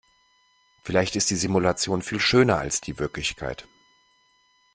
Vielleicht ist die Simulation viel schöner als die Wirklichkeit.